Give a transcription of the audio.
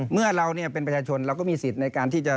เมื่อเราเป็นประชาชนเราก็มีสิทธิ์ในการที่จะ